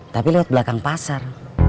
tapi lewat belakang pasar